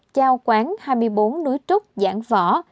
chào quán hai mươi bốn núi trúc giảng võ